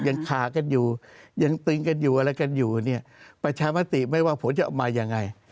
ยังขากันอยู่ยังตึงกันอยู่อะไรกันอยู่เนี่ยประชามติไม่ว่าผลจะออกมายังไง